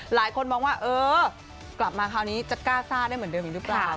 หลายคนมองว่าเออกลับมาคราวนี้จะกล้าซ่าได้เหมือนเดิมอีกหรือเปล่า